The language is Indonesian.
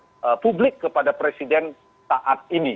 kepada publik kepada presiden saat ini